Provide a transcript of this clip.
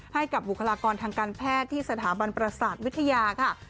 ให้กับบุคลากรทางการแพทย์ที่สถาบันประสาทวิทยาค่ะ